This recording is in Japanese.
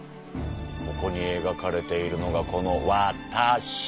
ここにえがかれているのがこのわたし！